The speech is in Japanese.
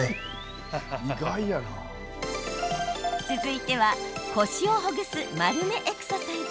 続いては、腰をほぐす丸めエクササイズ。